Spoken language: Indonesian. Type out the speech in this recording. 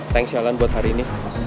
thanks alan buat hari ini